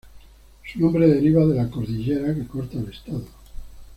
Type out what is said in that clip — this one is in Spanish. Su nombre deriva de la cordillera que corta el estado.